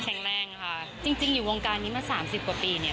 แข็งแรงค่ะจริงอยู่วงการนี้มา๓๐กว่าปีเนี่ย